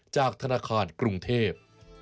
จากธนาคารกรุงเทพ